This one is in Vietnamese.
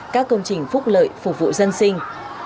các công trình phúc lợi phục vụ dân sinh